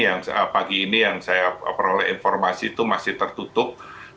yang pagi ini yang saya peroleh informasi itu masih tertutup